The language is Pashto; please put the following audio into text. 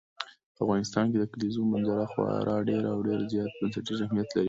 په افغانستان کې د کلیزو منظره خورا ډېر او ډېر زیات بنسټیز اهمیت لري.